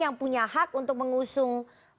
yang punya hak untuk mengusung